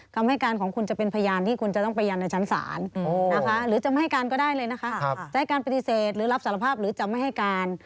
คำให้การของคุณจะเป็นพยานที่คุณจะต้องพยานในชั้นศาล